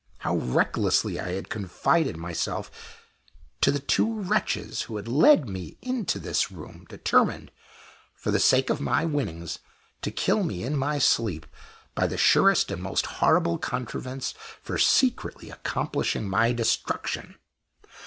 How recklessly I had confided myself to the two wretches who had led me into this room, determined, for the sake of my winnings, to kill me in my sleep by the surest and most horrible contrivance for secretly accomplishing my destruction!